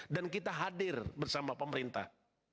dan kita hadir bersama pemerintah